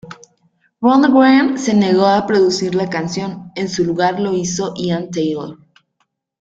Rundgren se negó a producir la canción; en su lugar lo hizo Ian Taylor.